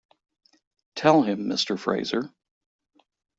Tell him Mr. Fraser.